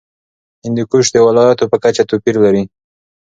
هندوکش د ولایاتو په کچه توپیر لري.